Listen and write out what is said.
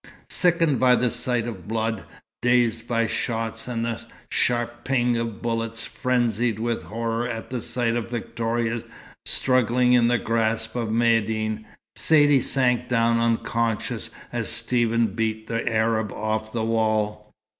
Sickened by the sight of blood, dazed by shots and the sharp "ping" of bullets, frenzied with horror at the sight of Victoria struggling in the grasp of Maïeddine, Saidee sank down unconscious as Stephen beat the Arab off the wall.